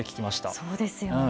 そうですよね。